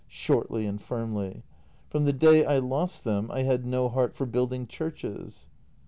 [Shortly and firmly.] From the day I lost them, I had no heart for building churches.